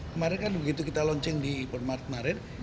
kemarin kan begitu kita launching di pemak marir